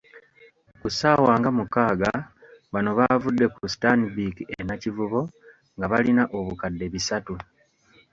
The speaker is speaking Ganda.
Ku ssaawa nga mukaaga bano baavudde ku Stanbic e Nakivubo nga balina obukadde bisatu.